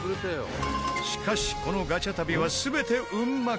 しかしこのガチャ旅は全て運任せ。